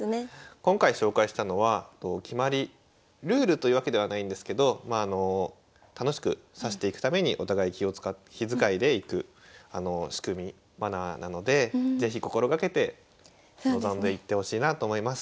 今回紹介したのは決まりルールというわけではないんですけど楽しく指していくためにお互い気遣いでいく仕組みマナーなので是非心掛けて臨んでいってほしいなと思います。